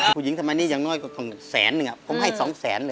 ผู้หญิงทำไมนี่อย่างน้อยสันหนึ่งอะผมให้สองแสนเลยอ่ะ